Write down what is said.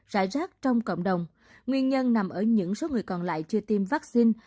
rải rác trong cộng đồng nguyên nhân nằm ở những số người còn lại chưa tiêm vaccine